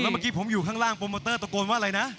เมื่อกี้ผมอยู่ข้างล่างโปรโมเตอร์ตะโกนว่าอะไรนะ